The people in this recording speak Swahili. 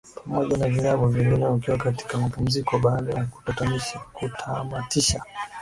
pamoja na vilabu vingine wakiwa katika mapumziko baada ya kutamatisha